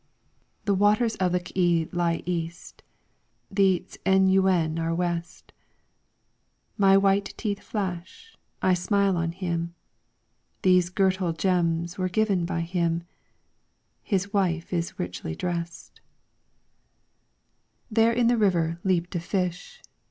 The waters of the K'e lie east, The Ts''en yuen are west. My white teeth flash, I smile on him. These girdle gems were given by him, His wife is richly drest. 9 LYRICS FROM THE CHINESE There in the river leaped a fish.